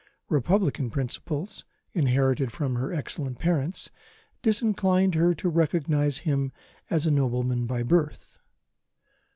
Republican principles, inherited from her excellent parents, disinclined her to recognise him as a nobleman by birth.